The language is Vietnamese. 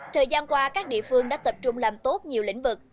thời gian qua các địa phương đã tập trung làm tốt nhiều lĩnh vực